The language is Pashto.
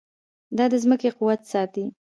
دا د ځمکې قوت ساتي.